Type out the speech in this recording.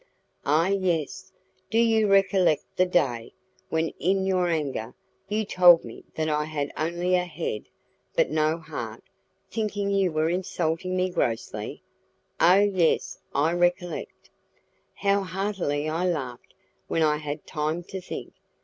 "Ah! yes. Do you recollect the day, when, in your anger, you told me that I had only a head, but no heart, thinking you were insulting me grossly!" "Oh! yes, I recollect it." "How heartily I laughed, when I had time to think!